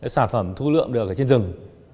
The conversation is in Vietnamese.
sản phẩm thu lượm được ở trên rừng